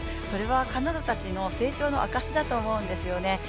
それは彼女たちの成長の証だと思うんですよね。